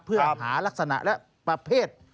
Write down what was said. เพื่อหารักษณะและประเภท